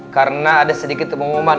karena ada sedikit pengumuman